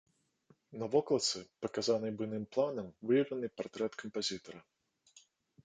На вокладцы, паказанай буйным планам, выяўлены партрэт кампазітара.